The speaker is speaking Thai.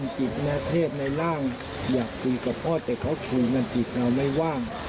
จิตนะเทพในร่างอยากคุยกับพ่อแต่เขาคุยกันจิตเราไม่ว่าง